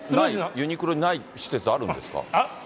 ユニクロにない施設ってあるんですか。